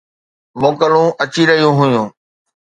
موڪلون اچي رهيون هيون.